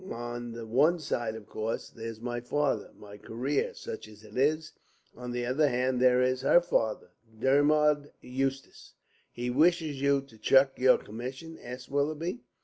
On the one side, of course, there's my father, my career, such as it is. On the other hand, there is her father, Dermod Eustace." "He wishes you to chuck your commission?" asked Willoughby.